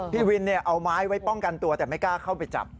พี่วินเอาไม้ไว้ป้องกันตัวแต่ไม่กล้าเข้าไปจับ